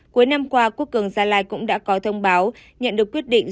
cuối năm qua quốc cường gia lai cũng đã có thông báo nhận được quyết định